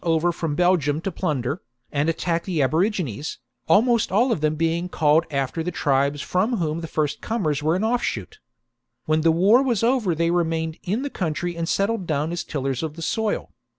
over from Belgium to plunder, and attack the aborigines, almt)st all of them being called after the tribes from whom the first comers were an offshoot" When the war was over they remained in the country and settled down as tillers of the soil.